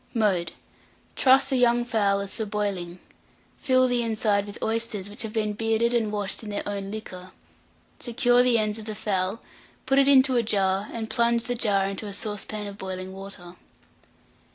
Mode. Truss a young fowl as for boiling; fill the inside with oysters which have been bearded and washed in their own liquor; secure the ends of the fowl, put it into a jar, and plunge the jar into a saucepan of boiling water.